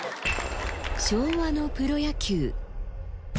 昭和のプロ野球。